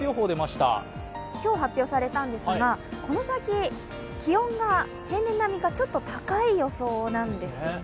今日発表されたんですが、この先、気温が平年並みかちょっと高い予想なんですよね。